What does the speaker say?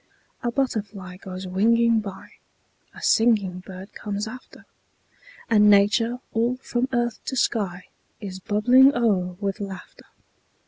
A butterfly goes winging by; A singing bird comes after; And Nature, all from earth to sky, Is bubbling o'er with laughter.